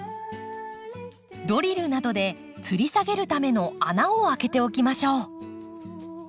ドリルなどでつり下げるための穴を開けておきましょう。